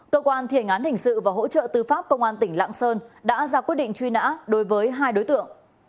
cơ quan thi hành án hình sự và hỗ trợ tư pháp công an tỉnh lạng sơn đã ra quyết định truy nã đối với hai đối tượng